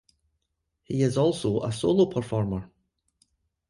He is also a solo performer.